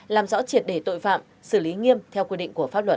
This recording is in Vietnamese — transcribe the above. làm rõ triệt để tội phạm xử lý nghiêm theo quy định của pháp luật